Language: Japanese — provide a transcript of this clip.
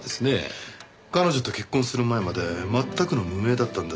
彼女と結婚する前まで全くの無名だったんです。